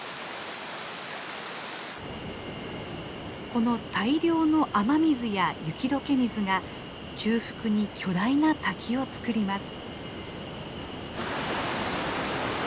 この大量の雨水や雪どけ水が中腹に巨大な滝をつくります。